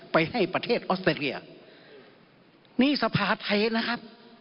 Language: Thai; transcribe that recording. ไปให้ประเทศออสเตรเลียนี่สภาไทยนะครับ